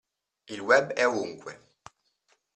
Il web è ovunque.